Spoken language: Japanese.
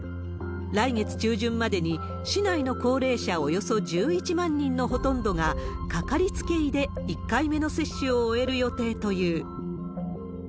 来月中旬までに市内の高齢者およそ１１万人のほとんどが、掛かりつけ医で１回目の接種を終える予定という。